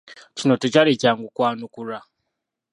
Kino tekyali kyangu kwanukulwa.